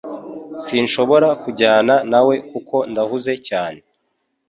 Sinshobora kujyana nawe kuko ndahuze cyane